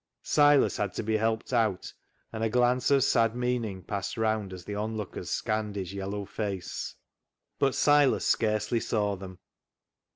Silas had to be helped out, and a glance of sad meaning passed round as the onlookers scanned his yellow face. But Silas scarcely saw them.